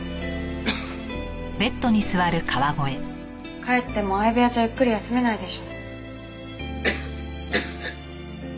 帰っても相部屋じゃゆっくり休めないでしょ。